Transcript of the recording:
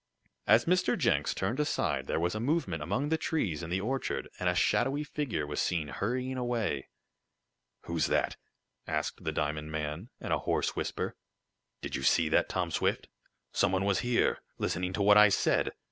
As Mr. Jenks turned aside there was a movement among the trees in the orchard, and a shadowy figure was seen hurrying away. "Who's that?" asked the diamond man, in a hoarse whisper. "Did you see that, Tom Swift? Some one was here listening to what I said!